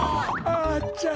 あちゃ！